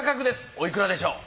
おいくらでしょう？